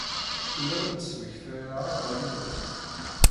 Ur awen-d-smektayeɣ aɣanen-nwen.